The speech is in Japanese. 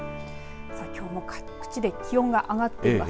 きょうも各地で気温が上がっています。